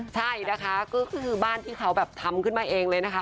ใช่นะคะก็คือบ้านที่เขาแบบทำขึ้นมาเองเลยนะคะ